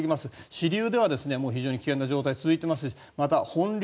支流では非常に危険な状態が続いていますしまた、本流